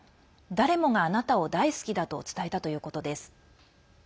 誰もがあなたを大好きだと伝えたということです。